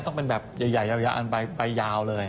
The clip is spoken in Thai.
ต้องเป็นแบบใหญ่ไปยาวเลย